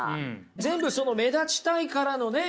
全部目立ちたいからのね